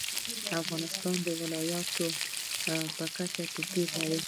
انار د افغانستان د ولایاتو په کچه توپیر لري.